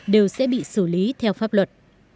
đều sẽ bị xử lý theo pháp luật